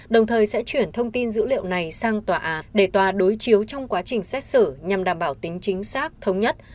đồng thời sẽ chuyển thông tin dữ liệu này sang để tòa đối chiếu trong quá trình xét xử nhằm đảm bảo tính chính xác thống nhất